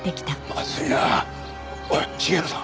まずいな。